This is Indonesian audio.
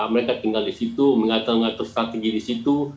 mereka tinggal di situ mengatur mengatur strategi di situ